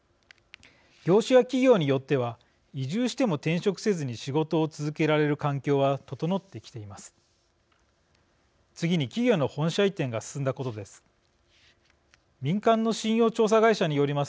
業種や企業によっては移住しても転職せずに仕事を続けられる環境は整ってきています。